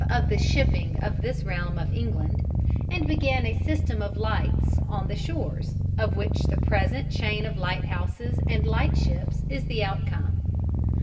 of the shipping of this realm of England," and began a system of lights on the shores, of which the present chain of lighthouses and lightships is the outcome.